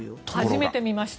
初めて見ました。